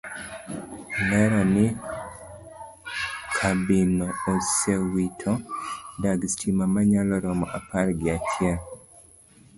Olero ni kambino osewito dag stima manyalo romo apar gi achiel